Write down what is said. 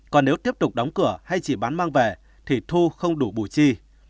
còn nếu tiếp tục đóng cửa hay chỉ bán mang về thì thu không đủ bù chi